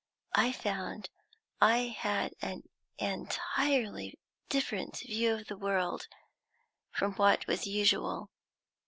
I found I had an entirely different view of the world from what was usual.